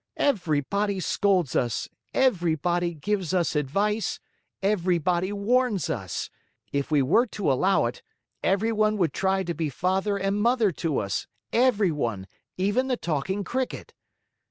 Everybody scolds us, everybody gives us advice, everybody warns us. If we were to allow it, everyone would try to be father and mother to us; everyone, even the Talking Cricket.